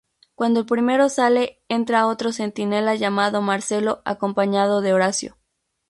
Cuando el primero sale, entra otro centinela llamado Marcelo acompañado de Horacio.